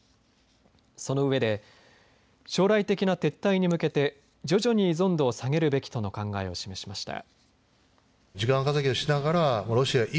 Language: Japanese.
そのうえで将来的な撤退に向けて徐々に依存度を下げるべきとの考えを示しました。